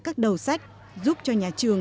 các đầu sách giúp cho nhà trường